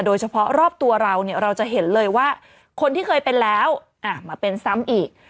เฉพาะรอบตัวเราเนี่ยเราจะเห็นเลยว่าคนที่เคยเป็นแล้วมาเป็นซ้ำอีก